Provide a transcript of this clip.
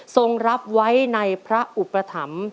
ทรงรับไว้ในพระอุปถรรม